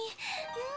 うん。